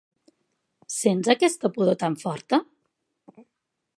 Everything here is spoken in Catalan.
Sents aquesta pudor tan forta?